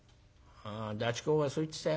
ダチ公がそう言ってたよ。